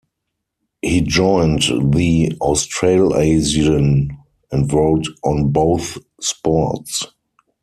He joined the "Australasian", and wrote on both sports.